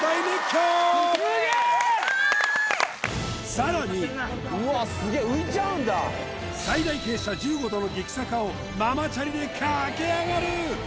さらにうわっすげえ最大傾斜１５度の激坂をママチャリで駆け上がる！